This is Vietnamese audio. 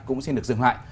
cũng xin được dừng lại